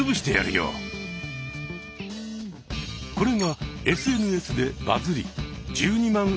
これがＳＮＳでバズり１２万